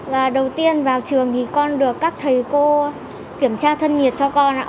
và đầu tiên vào trường thì con được các thầy cô kiểm tra thân nhiệt cho con ạ